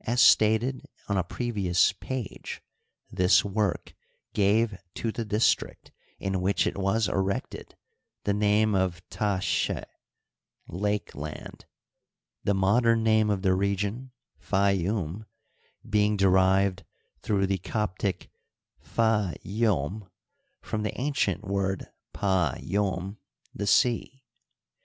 As stated on a previous page, this work gave to the district in which it was erected the name of Ta'ske, Lake land "— the modem name of the region, Fayoum, being derived through the Co^iic pka ySmylrova the ancient word pa ySm, " the sea."